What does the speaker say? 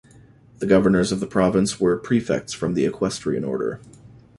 The governors of the province were prefects from the Equestrian order.